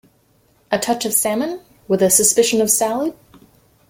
A touch of salmon? With a suspicion of salad?